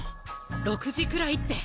６時くらいって。